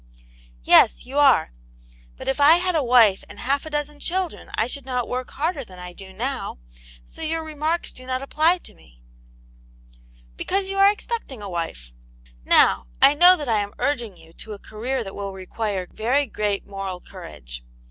" Yes, you are. But if I had a wife and half a dozen children, I should not work harder than I da. now. So your remarks do not apply to me." "Because you are expecting a wife. Now, I. know that I am urging you to ^ c;v.T^^t \Vvafc will. Aunt Jane's Hero. 97 , require very great moral courage.